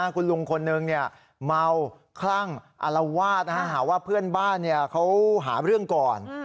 คุณลุงคนนึงเมาคลั่งอารวาสหาว่าเพื่อนบ้านเขาหาเรื่องก่อน